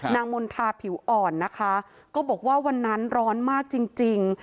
มณฑาผิวอ่อนนะคะก็บอกว่าวันนั้นร้อนมากจริงจริง